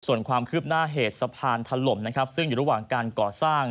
ส่วนความคืบหน้าเหตุสะพานถล่มนะครับซึ่งอยู่ระหว่างการก่อสร้าง